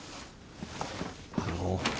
あの。